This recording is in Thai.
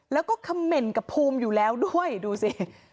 แล้วก็คำเหม็นกับภูมิอยู่แล้วด้วยดูสิ